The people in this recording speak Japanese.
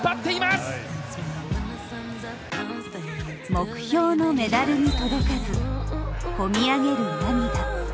目標のメダルに届かず、こみ上げる涙。